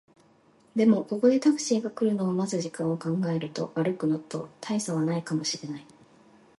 でも、ここでタクシーが来るのを待つ時間を考えると、歩くのと大差はないかもしれない